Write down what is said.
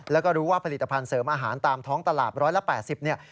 แล้วก็รู้ว่าผลิตภัณฑ์เสริมอาหารตามท้องตลาด๑๘๐เนี่ย